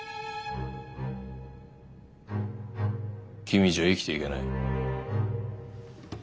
君じゃ生きていけない。